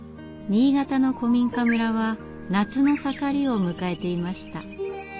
新潟の古民家村は夏の盛りを迎えていました。